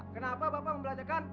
kenapa bapak membelajarkan